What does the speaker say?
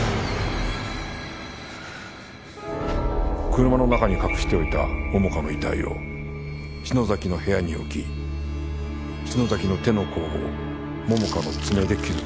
車の中に隠しておいた桃花の遺体を篠崎の部屋に置き篠崎の手の甲を桃花の爪で傷つけた。